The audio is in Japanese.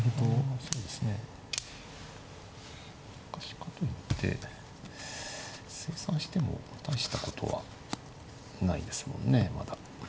あそうですね。しかしかといって清算しても大したことはないですもんねまだ。